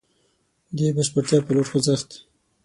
د بشپړتيا په لور خوځښت.